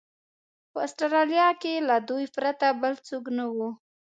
په اسټرالیا کې له دوی پرته بل څوک نه و.